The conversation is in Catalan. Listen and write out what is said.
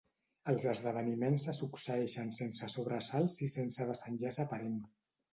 Els esdeveniments se succeeixen sense sobresalts i sense desenllaç aparent.